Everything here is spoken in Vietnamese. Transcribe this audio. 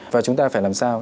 và chúng ta phải làm sao